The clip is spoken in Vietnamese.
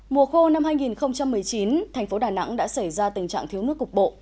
mùa khô năm hai nghìn một mươi chín thành phố đà nẵng đã xảy ra tình trạng thiếu nước cục bộ